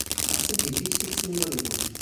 Was sind die wichtigsten Überlegungen?